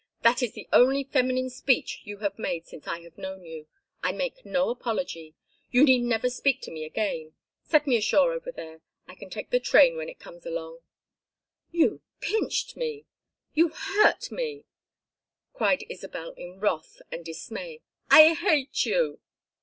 "That is the only feminine speech you have made since I have known you. I make no apology. You need never speak to me again. Set me ashore over there. I can take the train when it comes along." "You pinched me! You hurt me!" cried, Isabel in wrath and dismay. "I hate you!"